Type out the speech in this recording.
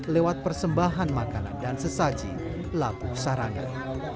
lewat persembahan makanan dan sesaji labu sarangan